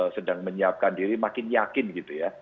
sedang menyiapkan diri makin yakin gitu ya